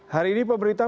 hari ini pemerintah